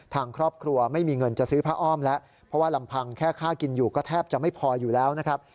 ทางครอบครัวไม่มีเงินจะซื้อผ้าอ้อมแล้วเพราะว่าลำพังแค่ค่ากินอยู่ก็แทบจะไม่พออยู่แล้วนะครับ